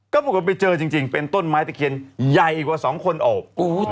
ก็ปรากฏไปเจอจริงเป็นต้นไม้ตะเคียนใหญ่กว่า๒คนโอบ